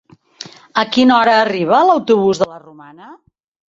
A quina hora arriba l'autobús de la Romana?